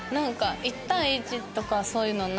１対１とかそういうのはないです。